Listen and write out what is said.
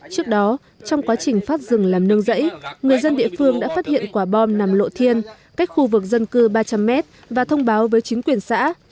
trước đó trong quá trình phát rừng làm nương rẫy người dân địa phương đã phát hiện quả bom nằm lộ thiên cách khu vực dân cư ba trăm linh m và thông báo với chính quyền xã